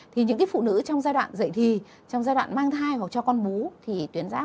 thì những phụ nữ trong giai đoạn dạy thì trong giai đoạn mang thai hoặc cho con bú thì tuyến giáp